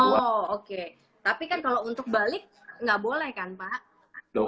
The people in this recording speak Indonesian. oh oke tapi kan kalau untuk balik nggak boleh kan pak